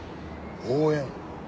応援？